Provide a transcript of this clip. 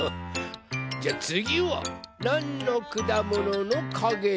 じゃあつぎはなんのくだもののかげでしょうか？